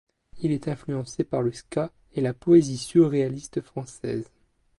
Il est influencé par le ska et la poésie surréaliste française.